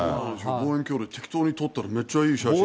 望遠鏡で適当に撮ったらめっちゃいい写真。